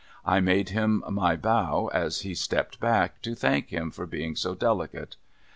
I made him my bow as he stepped back, to thank him for being so delicate.